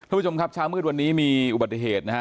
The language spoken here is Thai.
คุณผู้ชมครับเช้ามืดวันนี้มีอุบัติเหตุนะฮะ